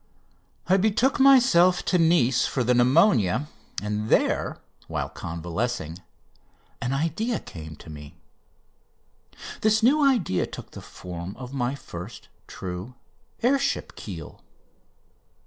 I betook myself to Nice for the pneumonia, and there, while convalescing, an idea came to me. This new idea took the form of my first true air ship keel.